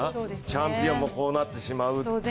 チャンピオンもこうなってしまうという。